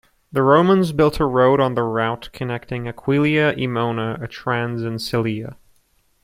The Romans built a road on the route connecting Aquileia, Emona, Atrans, and Celeia.